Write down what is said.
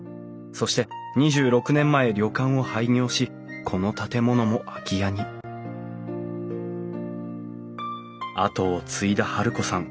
そして２６年前旅館を廃業しこの建物も空き家に跡を継いだ治子さん。